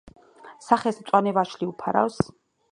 სახეს მწვანე ვაშლი უფარავს.